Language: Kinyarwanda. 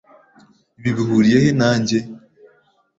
Ibi bihuriye he nanjye?